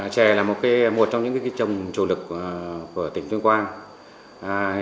trè là một trong những trồng chủ lực của tỉnh tuyên quang